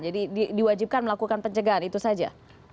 jadi diwajibkan melakukan pencegahan itu saja